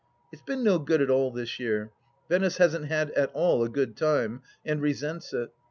It's been no good at all this year. Venice hasn't had at all a good time, and resents it.